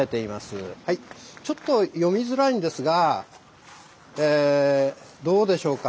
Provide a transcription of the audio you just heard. ちょっと読みづらいんですがどうでしょうか。